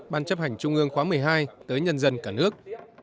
ban chấp hành trung ương khóa một mươi hai tới nhân dân cả nước